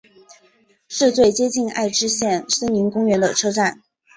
是最接近爱知县森林公园的车站。